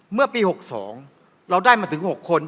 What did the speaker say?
เมื่อปี๖๒เราได้มาถึง๖คน